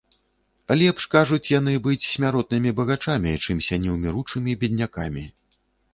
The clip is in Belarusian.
Лепш, кажуць яны, быць смяротнымі багачамі, чымся неўміручымі беднякамі.